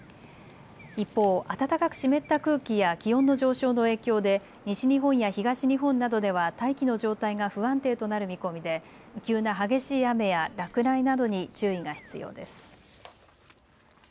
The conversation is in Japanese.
一方、暖かく湿った空気や気温の上昇の影響で西日本や東日本などでは大気の状態が不安定となる見込みで急な激しい雨や落雷などに注意が必要です。